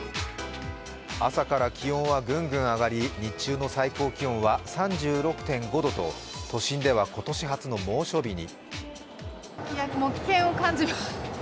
朝から気温はぐんぐん上がり、日中の最高気温は３６．５度と都心では今年初の猛暑日に。